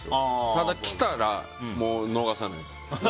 ただ来たら、もう逃さないです。